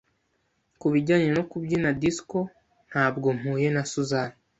Ku bijyanye no kubyina disco, ntabwo mpuye na Susan.